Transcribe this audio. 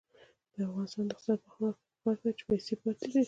د افغانستان د اقتصادي پرمختګ لپاره پکار ده چې پیسې پاتې شي.